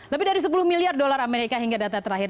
lebih dari sepuluh miliar dolar amerika hingga data terakhir